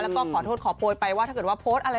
แล้วก็ขอโทษขอโพยไปว่าถ้าเกิดว่าโพสต์อะไร